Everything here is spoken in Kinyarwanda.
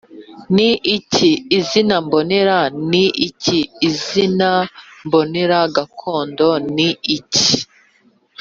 ni iki? Izina mbonera ni iki? Izina mbonera gakondo ni iki?